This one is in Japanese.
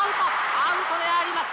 アウトであります。